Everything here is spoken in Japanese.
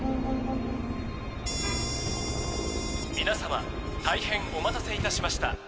皆様大変お待たせいたしました。